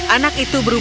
anak itu berubah